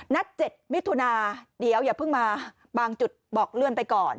๗มิถุนาเดี๋ยวอย่าเพิ่งมาบางจุดบอกเลื่อนไปก่อน